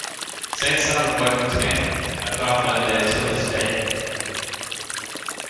Saint Simon worked in tanning, a craft known there till this day.